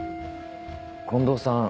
近藤さん